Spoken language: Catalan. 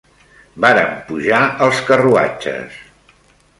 Vàrem pujar als carruatges